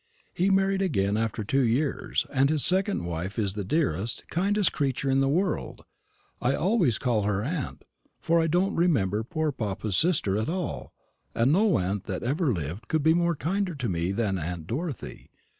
He married again after two years, and his second wife is the dearest, kindest creature in the world. I always call her aunt, for I don't remember poor papa's sister at all; and no aunt that ever lived could be kinder to me than aunt Dorothy.